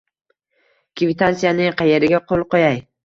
Kvitansiyaning qayeriga qo'l qo'yay?